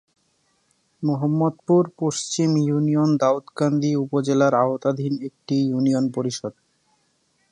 মোহাম্মদপুর পশ্চিম ইউনিয়ন দাউদকান্দি উপজেলার আওতাধীন একটি ইউনিয়ন পরিষদ।